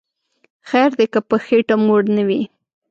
خیر دی که په خیټه موړ نه وی